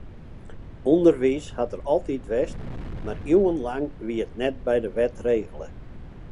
Underwiis hat der altyd west, mar iuwenlang wie it net by de wet regele.